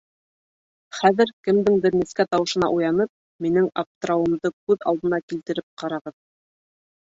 Хәҙер кемдеңдер нескә тауышына уянып, минең аптырауымды күҙ алдына килтереп ҡарағыҙ.